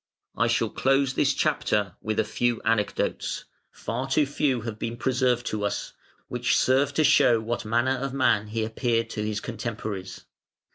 ii., 21.] I shall close this chapter with a few anecdotes far too few have been preserved to us which serve to show what manner of man he appeared to his contemporaries.